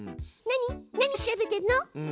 何調べてんの？